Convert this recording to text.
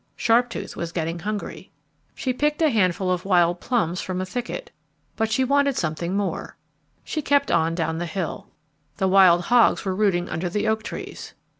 Sharptooth was getting hungry. She picked a handful of wild plums from the thicket, but she wanted something more. She kept on down the hill. The wild hogs were rooting under the oak trees.